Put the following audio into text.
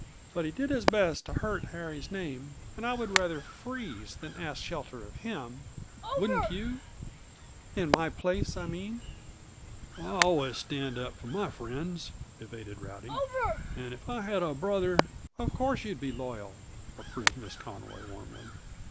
But he did his best to hurt Harry's name, and I would rather freeze than ask shelter of him. Wouldn't you in my place, I mean?" "I always stand up for my friends," evaded Rowdy. "And if I had a brother " "Of course you'd be loyal," approved Miss Conroy warmly.